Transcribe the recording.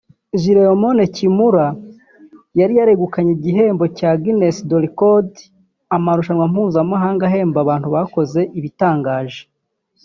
Jiroemon Kimura yari yaregukanye igihembo cya Guiness de Records (amarushwanwa mpuzamahanga ahemba abantu bakoze ibitangaje)